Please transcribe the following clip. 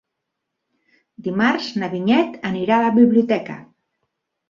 Dimarts na Vinyet anirà a la biblioteca.